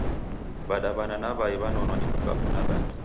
W'adaw'ana na Wai w'anonwa ni kumbaku na bangi.